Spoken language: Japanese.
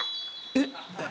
えっ？